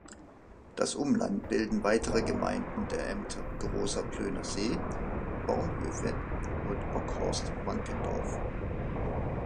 Das Umland bilden weitere Gemeinden der Ämter Großer Plöner See, Bornhöved und Bokhorst-Wankendorf.